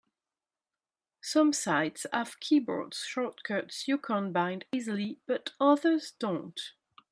Some sites have keyboard shortcuts you can bind easily, but others don't.